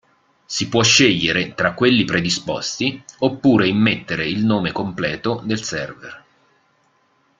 Si può scegliere tra quelli predisposti oppure immettere il nome completo del server.